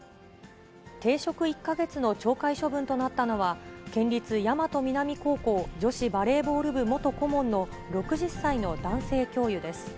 停職１か月の懲戒処分となったのは、県立大和南高校女子バレーボール部元顧問の６０歳の男性教諭です。